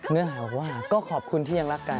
เนื้อหาบอกว่าก็ขอบคุณที่ยังรักกัน